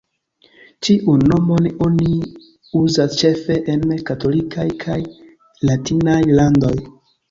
Tiun nomon oni uzas ĉefe en katolikaj kaj latinaj landoj.